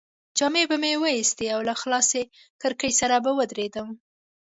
جامې به مې وایستې او له خلاصې کړکۍ سره به ودرېدم.